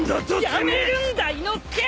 やめるんだ伊之助！